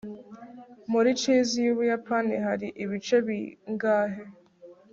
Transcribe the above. muri chess yu buyapani hari ibice bingahe